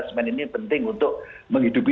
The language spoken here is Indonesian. semen ini penting untuk menghidupi